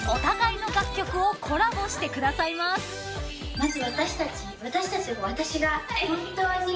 まず。